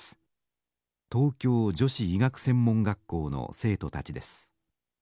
東京女子医学専門学校の生徒たちです。